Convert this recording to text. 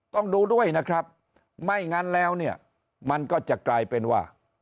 ต้องดูด้วยนะครับไม่งั้นแล้วเนี่ยมันก็จะกลายเป็นว่า